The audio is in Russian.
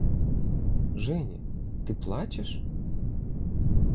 – Женя, ты плачешь?